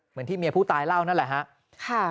เหมือนที่เมียผู้ตายเล่านั่นแหละฮะ